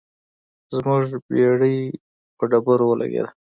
زموږ بیړۍ په ډبرو ولګیده.